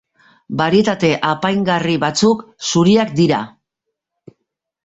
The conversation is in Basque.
Barietate apaingarri batzuk zuriak dira.